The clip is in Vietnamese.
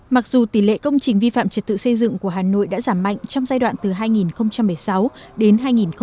mặc dù tỷ lệ công trình vi phạm trật tự xây dựng của hà nội đã giảm mạnh trong giai đoạn từ hai nghìn một mươi sáu đến hai nghìn hai mươi